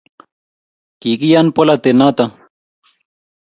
Kikiyan polatet noto